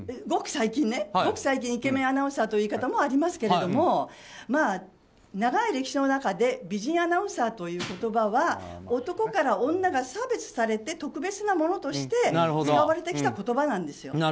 ごく最近イケメンアナウンサーという言い方もありますけれども長い歴史の中で美人アナウンサーという言葉は男から女が差別されて特別なものとして使われてきた言葉なんですよ。